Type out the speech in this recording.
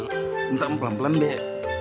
lantai pelan pelan be